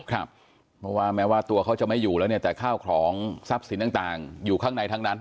เพราะว่าแม้ว่าตัวเขาจะไม่อยู่แล้วเนี่ยแต่ข้าวของทรัพย์สินต่างอยู่ข้างในทั้งนั้น